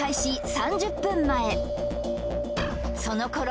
３０分前そのころ